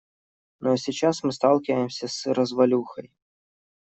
Ну а сейчас мы сталкиваемся с развалюхой.